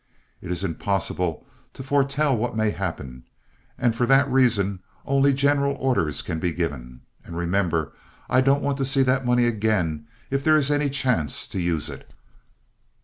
It is impossible to foretell what may happen, and for that reason only general orders can be given. And remember, I don't want to see that money again if there is any chance to use it."